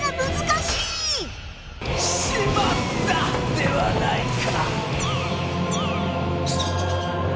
「しまった！」ではないか！